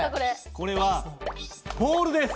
これはボールです。